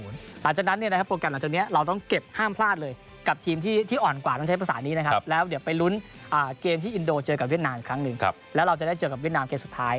หลังจากนั้นเนี่ยนะครับโปรแกรมหลังจากนี้เราต้องเก็บห้ามพลาดเลยกับทีมที่อ่อนกว่าต้องใช้ภาษานี้นะครับแล้วเดี๋ยวไปลุ้นเกมที่อินโดเจอกับเวียดนามอีกครั้งหนึ่งแล้วเราจะได้เจอกับเวียดนามเกมสุดท้าย